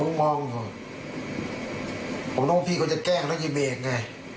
ผมรู้ว่าพี่เขาจะแกล้งแล้วยิ่งเมฆไง